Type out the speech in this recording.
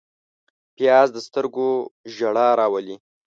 پیاز د سترګو ژړا راولي